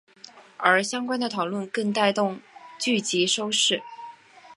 而相关的讨论更带动剧集收视。